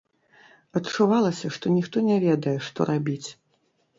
Адчувалася, што ніхто не ведае, што рабіць.